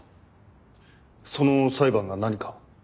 その裁判が何か？